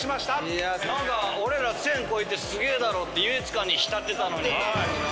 俺ら１，０００超えてすげえだろって優越感に浸ってたのに。